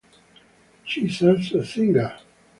She is also a singer.